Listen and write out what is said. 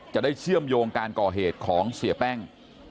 เชื่อมโยงการก่อเหตุของเสียแป้ง